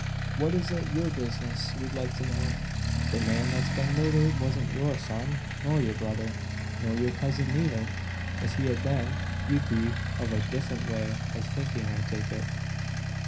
What is it your business, we'd like to know? The man that's been murdered wasn't your son; nor your brother, nor your cousin neither! If he had been, you'd be of a different way of thinking, I take it."